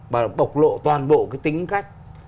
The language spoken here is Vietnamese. mà bộc lộ toàn bộ cái tính cách